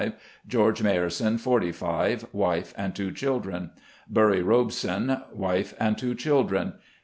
George Mayerson, 45, wife and two children. Burry Robeson, wife and two children.